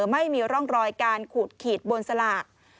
ไม่มีร่องรอยการขูดขีดบนสลาก